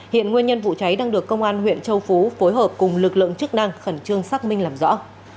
hiện nguyên nhân vụ cháy đang được công an huyện châu phú phối hợp cùng lực lượng chức năng khẩn trương xác minh làm rõ